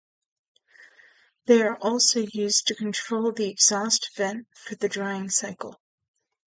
They are also used to control the exhaust vent for the drying cycle.